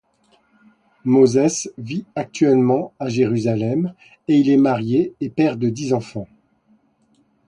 Moses vit actuellement à Jérusalem, et il est marié et père de dix enfants.